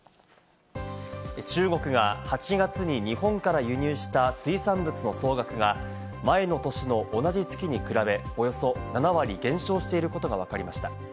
中国が８月に日本から輸入した水産物の総額が前の年の同じ月に比べ、およそ７割減少していることがわかりました。